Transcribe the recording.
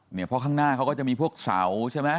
เพราะข้างหน้าเขาก็จะมีพวกเสาใช่ไหม